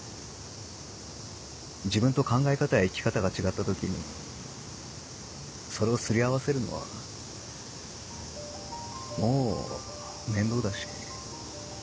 自分と考え方や生き方が違った時にそれをすり合わせるのはもう面倒だし。